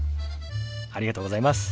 ありがとうございます。